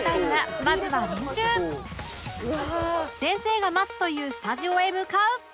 先生が待つというスタジオへ向かう